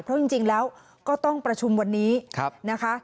เพราะจริงแล้วก็ต้องประชุมวันนี้นะคะ